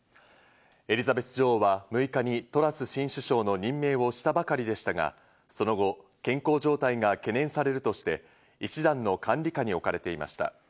エリザベス女王は６日にトラス新首相の任命をしたばかりでしたが、その後、健康状態が懸念されるとして、医師団の管理下に置かれていました。